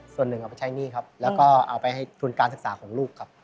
ส่วนหนึ่งเอาไปใช้หนี้ครับแล้วก็เอาไปให้ทุนการศึกษาของลูกครับ